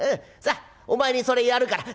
さあお前にそれやるから」。